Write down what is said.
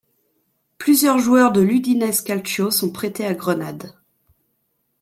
Plusieurs joueurs de l'Udinese Calcio sont prêtés à Grenade.